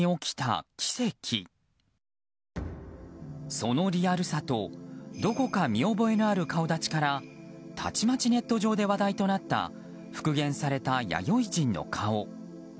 そのリアルさとどこか見覚えのある顔立ちからたちまちネット上で話題となった復元された弥生人の顔。